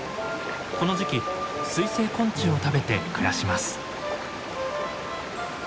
この時期水生昆虫を食べて暮らします。